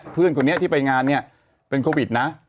เพื่อนคนนี้ที่ไปงานเนี่ยเป็นโควิดนะ